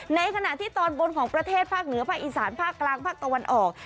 ในขณะที่ตอนบนของประเทศภาคเหนือภาคอีสานภาคกลางภาคตะวันออก